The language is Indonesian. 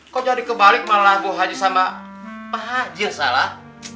kok jadi kebalik malah gue haji sama pak haji ya salah